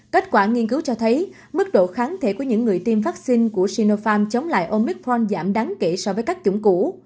kết quả nghiên cứu cho thấy mức độ kháng thể của những người tiêm vaccine của sinopharm chống lại omicporn giảm đáng kể so với các chủng cũ